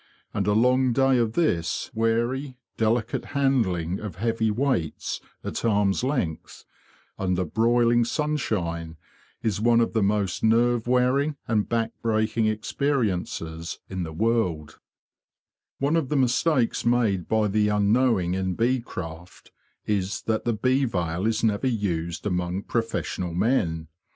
And a long day of this wary, delicate handling of heavy weights, at arm's length, under broiling sunshine, is one of the most nerve wearing and back breaking experiences in the world, 160 THE BEE MASTER OF WARRILOW One of the mistakes made by the unknowing in bee craft is that the bee veil is never used among professional men.